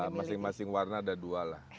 ya masing masing warna ada dua lah